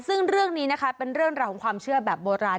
ซึ่งเรื่องนี้นะคะเป็นเรื่องราวของความเชื่อแบบโบราณ